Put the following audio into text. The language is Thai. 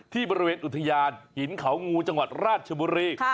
ที่บริเวณอุทยานหินเขางูจังหวัดราชบุรี